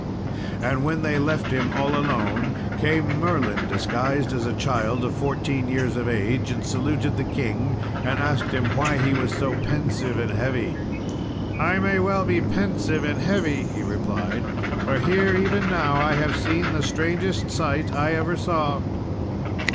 And when they left him all alone came Merlin, disguised as a child of fourteen years of age, and saluted the king, and asked him why he was so pensive and heavy. "I may well be pensive and heavy," he replied, "for here even now I have seen the strangest sight I ever saw."